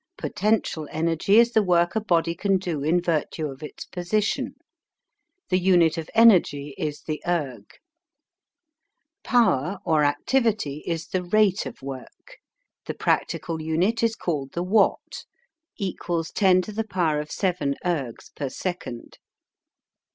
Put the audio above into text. Potential energy is the work a body can do in virtue of its position. The unit of energy is the Erg. Power or Activity is the rate of work; the practical unit is called the Watt 10^7 ergs per second.